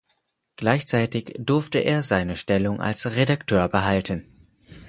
Gleichzeitig durfte er seine Stellung als Redakteur behalten.